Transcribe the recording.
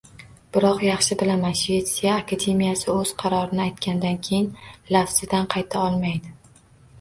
Biroq yaxshi bilaman, Shvetsiya akademiyasi o‘z qarorini aytgandan keyin lafzidan qayta olmaydi